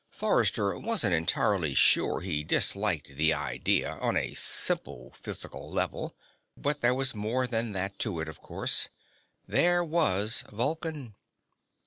Forrester wasn't entirely sure he disliked the idea, on a simple physical level. But there was more than that to it, of course; there was Vulcan.